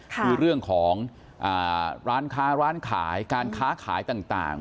คือเรื่องของร้านค้าร้านขายการค้าขายต่าง